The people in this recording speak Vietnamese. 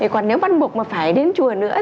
còn nếu bắt buộc mà phải đến chùa nữa